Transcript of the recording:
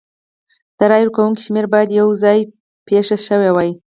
د رای ورکوونکو شمېر باید یو ځای پېښ شوي وای.